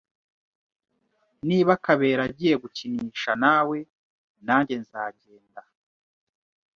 Niba Kabera agiye gukinisha nawe, nanjye nzagenda.